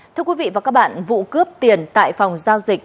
thưa quý vị và các bạn vụ cướp tiền tại phòng giao dịch